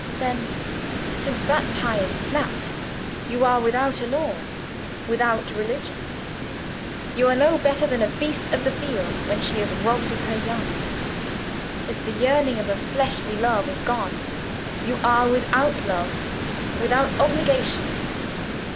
Then, since that tie is snapped, you are without a law, without religion: you are no better than a beast of the field when she is robbed of her young. If the yearning of a fleshly love is gone, you are without love, without obligation.